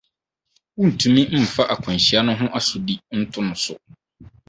Wuntumi mfa akwanhyia no ho asodi nto no so.